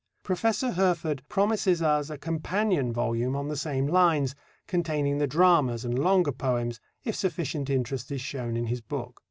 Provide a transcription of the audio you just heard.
Professor Herford promises us a companion volume on the same lines, containing the dramas and longer poems, if sufficient interest is shown in his book.